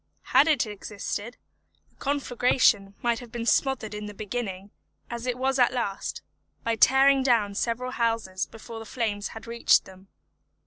Had it existed, the conflagration might have been smothered in the beginning, as it was at last, by tearing down several houses before the flames had reached them.